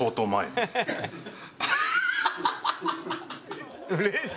ハハハハ！